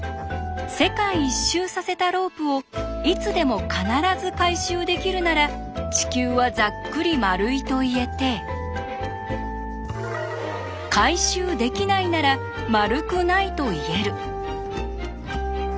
世界一周させたロープをいつでも必ず回収できるなら地球はざっくり丸いと言えて回収できないなら丸くないと言える。